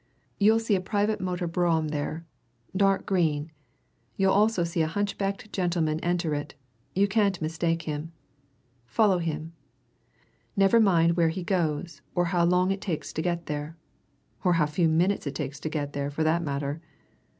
You'll see a private motor brougham there dark green you'll also see a hunchbacked gentleman enter it you can't mistake him. Follow him! Never mind where he goes, or how long it takes to get there or how few minutes it takes to get there, for that matter!